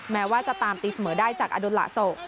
แม้ว่าจะตามตีเสมอได้จากอดุลหลาโซ